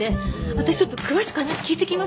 私ちょっと詳しく話聞いてきます。